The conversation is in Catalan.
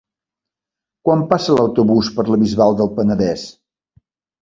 Quan passa l'autobús per la Bisbal del Penedès?